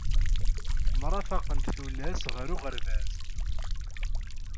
Mrafaqent tullas ɣer uɣerbaz.